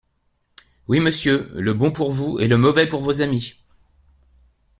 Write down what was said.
Oui, monsieur : le bon pour vous et le mauvais pour vos amis.